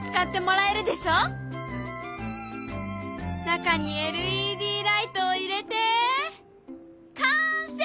中にＬＥＤライトを入れて完成！